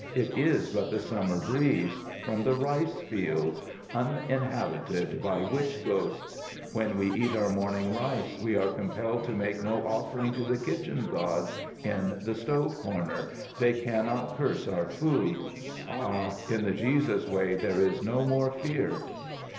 It is but the summer breeze from the rice fields, uninhabited by witch ghosts. When we eat our morning rice, we are compelled to make no offering to the kitchen gods in the stove corner. They cannot curse our food. Ah, in the Jesus way there is no more fear!"